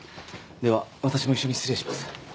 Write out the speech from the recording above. では私も一緒に失礼します